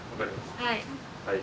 はい。